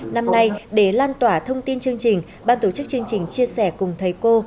năm nay để lan tỏa thông tin chương trình ban tổ chức chương trình chia sẻ cùng thầy cô